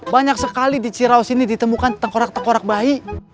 banyak sekali di ciraus ini ditemukan tengkorak tengkorak bayi